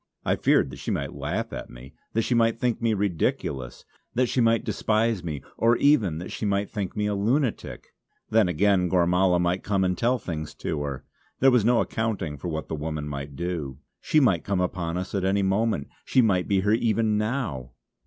I feared that she might laugh at me; that she might think me ridiculous; that she might despise me; or even that she might think me a lunatic! Then again Gormala might come and tell things to her. There was no accounting for what the woman might do. She might come upon us at any moment; she might be here even now!